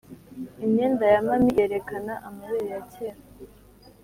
imyenda ya mummy yerekana amabere ya kera.